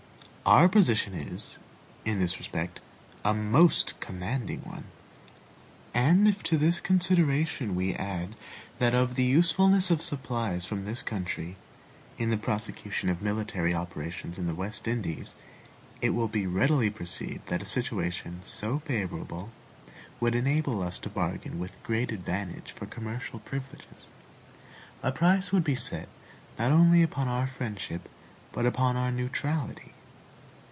Our position is, in this respect, a most commanding one. And if to this consideration we add that of the usefulness of supplies from this country, in the prosecution of military operations in the West Indies, it will readily be perceived that a situation so favorable would enable us to bargain with great advantage for commercial privileges. A price would be set not only upon our friendship, but upon our neutrality.